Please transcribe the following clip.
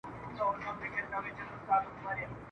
ګلدستې یې جوړوو د ګرېوانونو !.